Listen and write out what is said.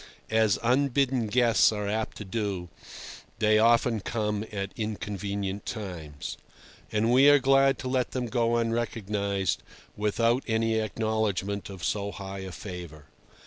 As unbidden guests are apt to do, they often come at inconvenient times. And we are glad to let them go unrecognised, without any acknowledgment of so high a favour.